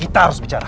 kita harus bicara